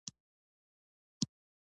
پوهه د ځوانانو د ځواک سرچینه ده.